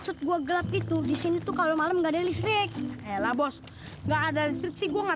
sampai jumpa di video selanjutnya